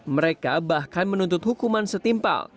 mereka bahkan menuntut hukuman setimpal